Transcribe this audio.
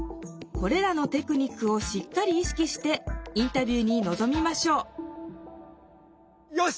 これらのテクニックをしっかりいしきしてインタビューにのぞみましょうよし！